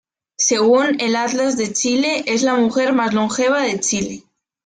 Según el Atlas de Chile, es la mujer más longeva de Chile.